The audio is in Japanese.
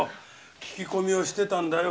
聞き込みをしてたんだよ。